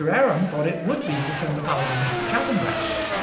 Aram thought that it would be within the power of Mr. Chaffanbrass.